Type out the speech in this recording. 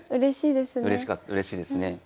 わあうれしいですね。